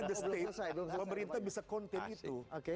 the state pemerintah bisa kontain itu